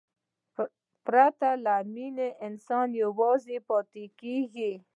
پرته له مینې، انسان یوازې پاتې کېږي.